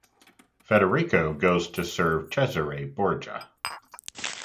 Federico goes to serve Cesare Borgia.